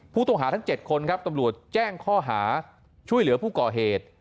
ผู้ต้องหาทั้ง๗คนครับตำรวจแจ้งข้อหาช่วยเหลือผู้ก่อเหตุ